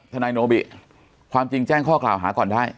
นายโนบิความจริงแจ้งข้อกล่าวหาก่อนได้